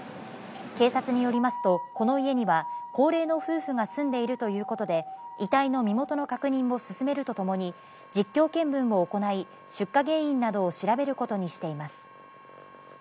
警察によりますと、この家には、高齢の夫婦が住んでいるということで、遺体の身元の確認を進めるとともに、実況見分を行い、出火原因などを調べることにしています。